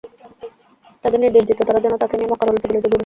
তাদের নির্দেশ দিত, তারা যেন তাকে নিয়ে মক্কার অলিতে গলিতে ঘুরে।